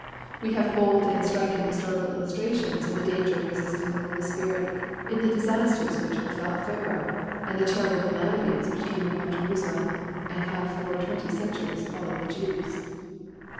We have bold and striking historical illustrations of the danger of resisting the Holy Spirit in the disasters which befell Pharaoh, and the terrible calamities which came upon Jerusalem, and have for twenty centuries followed the Jews.